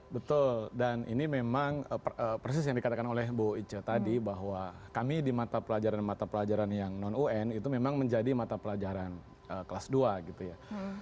betul dan ini memang persis yang dikatakan oleh bu ica tadi bahwa kami di mata pelajaran mata pelajaran yang non un itu memang menjadi mata pelajaran kelas dua gitu ya